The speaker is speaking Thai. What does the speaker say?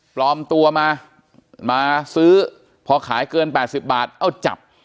ปลอมตัวมามาซื้อพอขายเกิน๘๐บาทเอาจับ